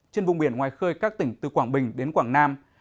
trên vùng biển ngoài khơi các tỉnh từ quảng bình đến quảng nam